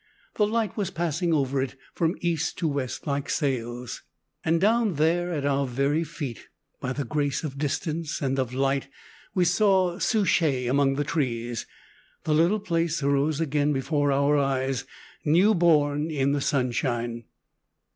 The light was passing over it from east to west like sails. And down there at our very feet, by the grace of distance and of light, we saw Souchez among the trees the little place arose again before our eyes, new born in the sunshine!